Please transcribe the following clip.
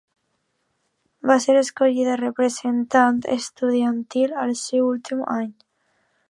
Va ser escollida representant estudiantil al seu últim any.